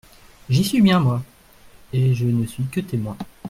J’y suis bien, moi ! et je ne suis que témoin.